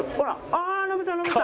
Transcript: ああー伸びた伸びた！